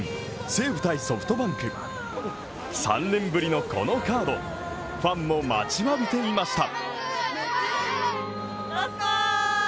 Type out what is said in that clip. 西武×ソフトバンク３年ぶりのこのカード、ファンも待ちわびていました。